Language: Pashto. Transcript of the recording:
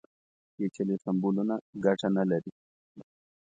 پېچلي سمبولونه ګټه نه لري.